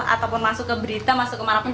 ataupun masuk ke berita masuk ke marapun